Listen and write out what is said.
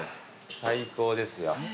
最高ですよ。